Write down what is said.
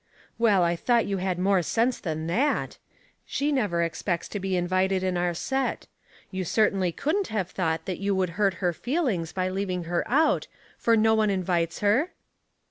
" Well, I thought you had more sense than tJiat. She never expects to be invited in our set. You certainl}^ couldn't havt thought that you would hurt her feelings by leaving her out, foi no one invites her